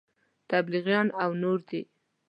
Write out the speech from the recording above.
تبلیغیان او نور دي.